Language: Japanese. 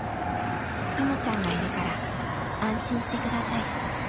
ともちゃんがいるから安心して下さい。